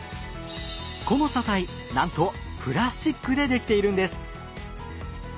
この車体なんとプラスチックでできているんです。